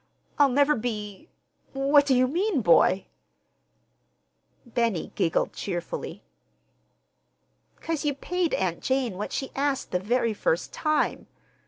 I'll never be—What do you mean, boy?" Benny giggled cheerfully. "'Cause you paid Aunt Jane what she asked the very first time.